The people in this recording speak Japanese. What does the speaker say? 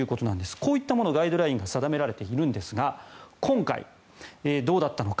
こういったものがガイドラインで定められているんですが今回、どうだったのか。